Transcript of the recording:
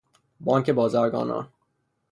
بانک بازرگانان